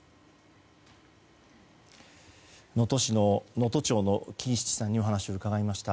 能登町の金七さんにお話を伺いました。